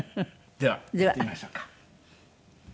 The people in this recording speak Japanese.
ではやってみましょうか。